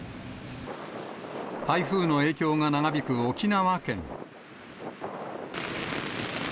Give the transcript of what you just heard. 台風の影響が長引く沖縄県。